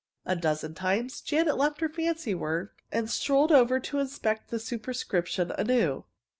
A dozen times Janet left her fancy work and strolled over to inspect the superscription anew.